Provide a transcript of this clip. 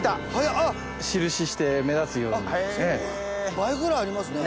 倍ぐらいありますね。